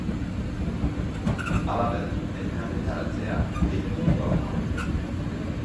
Halaber, elkarretaratzea deitu du gaurko.